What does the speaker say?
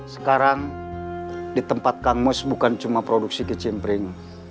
sekarang di tempat kang mus bukan cuma produksi kecimpring